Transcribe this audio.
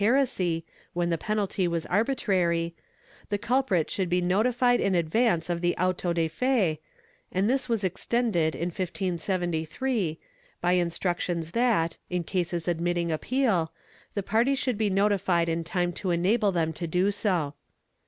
96 THE SENTENCE [Book VII when the penalty was arbitrary, the culprit should be notified in advance of the auto de fe, and this was extended, in 1573, by instructions that, in cases admitting appeal, the parties should be notified in time to enable them to do so.